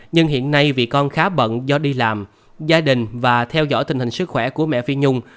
nhưng hiện nay vì con khá bận do đi làm gia đình và theo dõi tình hình sức khỏe của mẹ phi nhung